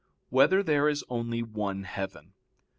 4] Whether There Is Only One Heaven?